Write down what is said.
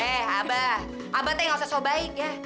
eh abah abah nggak usah sebaiknya